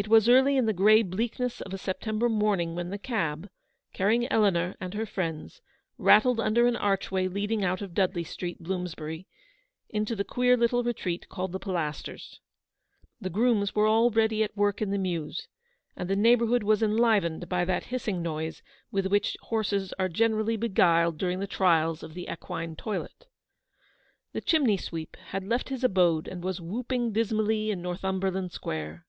It was early in the grey bleakness of a Sep tember morning when the cab, carrying Eleanor and her friends, rattled under an archway leading out of Dudley Street, Bloomsbury, into the queer little retreat called the Pilasters. The grooms were already at work in the mews, and the neigh bourhood was enlivened by that hissing noise MRS. BANNISTER HOLES OUT A. HELPING HAND. 199 with which horses are generally beguiled during the trials of the equine toilet. The chimney sweep had left his abode and "was whooping dismally in Northumberland Square.